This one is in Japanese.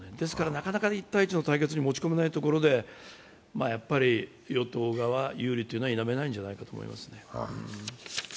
なかなか１対１の対決に持ち込めないところで与党側有利というのは否めないんじゃないかなと思います。